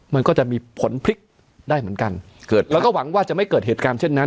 มันก็จะมีผลพลิกได้เหมือนกันเกิดแล้วก็หวังว่าจะไม่เกิดเหตุการณ์เช่นนั้น